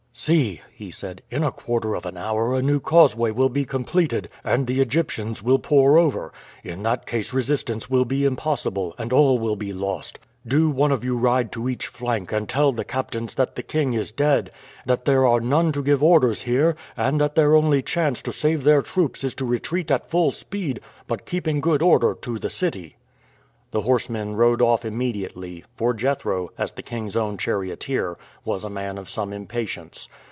"See," he said, "in a quarter of an hour a new causeway will be completed, and the Egyptians will pour over. In that case resistance will be impossible, and all will be lost. Do one of you ride to each flank and tell the captains that the king is dead, that there are none to give orders here, and that their only chance to save their troops is to retreat at full speed but keeping good order to the city." The horsemen rode off immediately, for Jethro, as the king's own charioteer, was a man of some impatience.